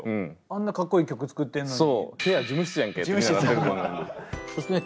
あんなかっこいい曲作ってんのにそしてね